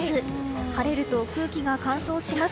晴れると空気が乾燥します。